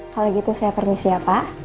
kalau gitu saya permisi ya pak